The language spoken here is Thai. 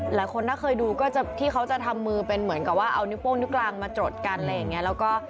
หลายคนถ้าเคยดูก็จะที่เขาจะทำมือเป็นเหมือนกับว่าเอานิ้วโป้งนิ้วกลางมาจดกันอะไรอย่างนี้